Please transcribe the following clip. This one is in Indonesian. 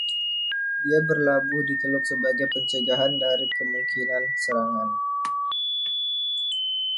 Dia berlabuh di teluk sebagai pencegahan dari kemungkinan serangan.